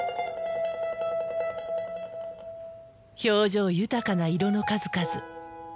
表情豊かな色の数々。